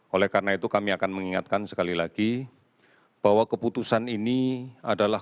oleh karena itu kami akan mengingatkan sekali lagi bahwa keputusan ini adalah